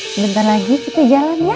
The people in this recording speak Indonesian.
sebentar lagi kita jalan ya